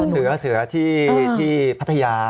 เสือเสือที่พัทยา